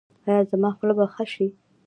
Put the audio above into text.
ایا زما خوله به ښه شي؟